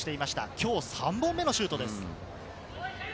今日３本目のシュートです。